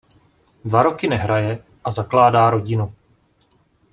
Dva roky nehraje a zakládá rodinu.